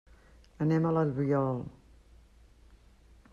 Anem a l'Albiol.